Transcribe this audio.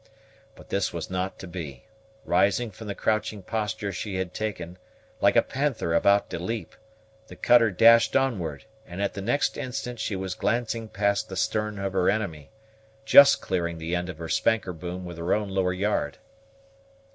But this was not to be: rising from the crouching posture she had taken, like a panther about to leap, the cutter dashed onward, and at the next instant she was glancing past the stern of her enemy, just clearing the end of her spanker boom with her own lower yard.